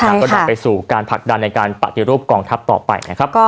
แล้วก็นำไปสู่การผลักดันในการปฏิรูปกองทัพต่อไปนะครับ